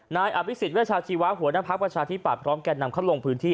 นายอภิษฎเวชาชีวะหัวหน้าภักดิ์ประชาธิบัตย์พร้อมแก่นำเขาลงพื้นที่